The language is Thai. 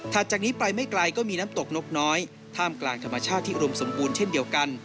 จากนี้ไปไม่ไกลก็มีน้ำตกนกน้อยท่ามกลางธรรมชาติที่อุดมสมบูรณ์เช่นเดียวกัน